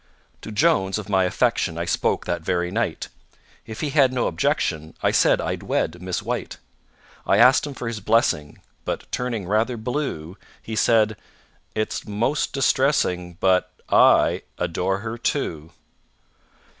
To JONES of my affection I spoke that very night. If he had no objection, I said I'd wed Miss WHITE. I asked him for his blessing, But, turning rather blue, He said: "It's most distressing, But I adore her, too."